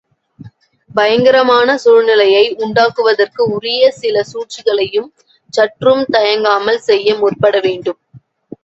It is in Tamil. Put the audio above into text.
பயங்கரமான சூழ்நிலையை உண்டாக்குவதற்கு உரிய சில சூழ்ச்சிகளையும் சற்றும் தயங்காமல் செய்ய முற்பட வேண்டும்.